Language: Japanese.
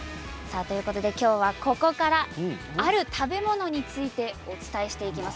今日はここからある食べ物についてお伝えしていきます。